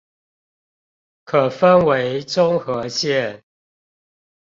可分為中和線